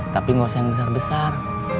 tapi nggak usah yang besar besar